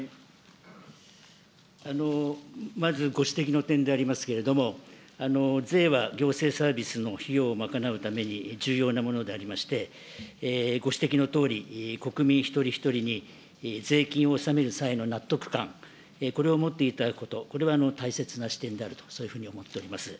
まずご指摘の点でありますけれども、税は行政サービスの費用を賄うために重要なものでありまして、ご指摘のとおり、国民一人一人に税金を納める際の納得感、これを持っていただくこと、これは大切な視点であると、そういうふうに思っております。